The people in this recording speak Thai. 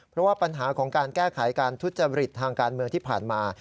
เพราะว่าปัญหาของการแก้ไขการทุจริตทางการเมืองที่ผ่านมา